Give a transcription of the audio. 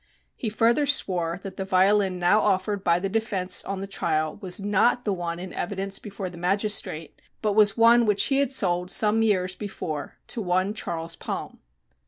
He further swore that the violin now offered by the defense on the trial was not the one in evidence before the magistrate, but was one which he had sold some years before to one Charles Palm.